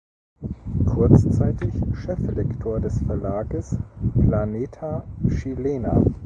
Kurzzeitig Cheflektor des Verlages „Planeta Chilena“.